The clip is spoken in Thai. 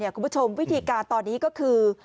คุณผู้ชมวิธีการตอนนี้ก็คือ